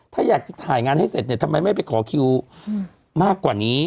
ถ้าอยากจะถ่ายงานให้เสร็จเนี่ยทำไมไม่ไปขอคิวมากกว่านี้